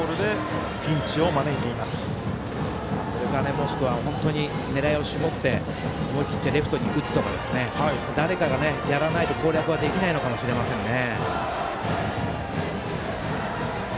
もしくは、狙いを絞って思い切ってレフトに打つとか誰かがやらないと攻略はできないかもしれませんね。